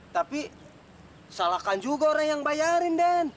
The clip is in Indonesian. tapi salahkan juga orang yang bayarin den